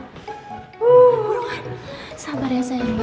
buruan sabar ya sayang